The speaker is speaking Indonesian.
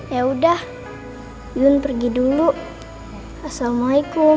ya udah yun pergi dulu assalamualaikum